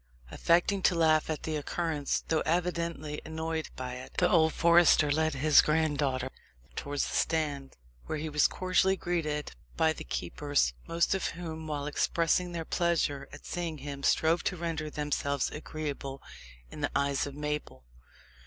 Affecting to laugh at the occurrence, though evidently annoyed by it, the old forester led his granddaughter towards the stand, where he was cordially greeted by the keepers, most of whom, while expressing their pleasure at seeing him, strove to render themselves agreeable in the eyes of Mabel.